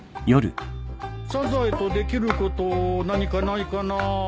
サザエとできること何かないかな。